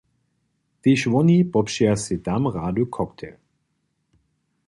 Tež woni popřeja sej tam rady cocktail.